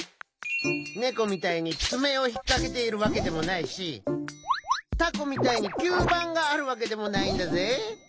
ネコみたいにつめをひっかけているわけでもないしタコみたいにきゅうばんがあるわけでもないんだぜ？